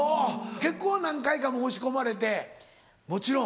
結婚は何回か申し込まれてもちろん。